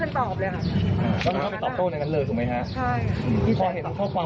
ก็ต้องไปตอบโทษด้วยกันอย่างนั้นเลยถูกไหมฮะ